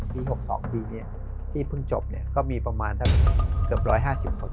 ๖๒ปีนี้ที่เพิ่งจบก็มีประมาณสักเกือบ๑๕๐คน